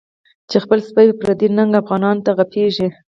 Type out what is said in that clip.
چی خپل سپی په پردی ننګه، افغانانو ته غپیږی